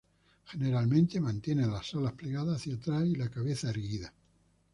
Generalmente mantiene las alas plegadas hacia atrás y la cabeza erguida.